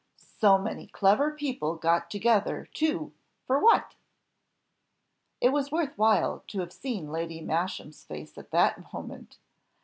so many clever people got together, too, for what?" It was worth while to have seen Lady Masham's face at that moment!